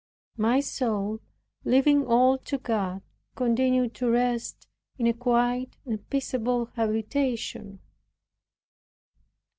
My soul, leaving all to God, continued to rest in a quiet and peaceable habitation.